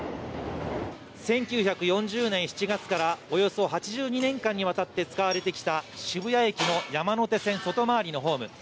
１９４０年７月からおよそ８２年間にわたって使われてきた渋谷駅の山手線外回りのホーム。